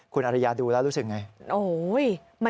คุณอริยาดูแล้วรู้สึกอย่างไร